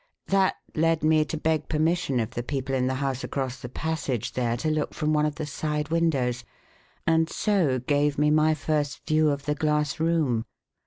That led me to beg permission of the people in the house across the passage there to look from one of the side windows, and so gave me my first view of the glass room.